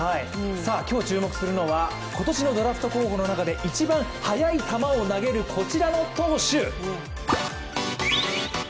今日注目するのは、今年のドラフト候補の中で一番速い球を投げる、こちらの投手。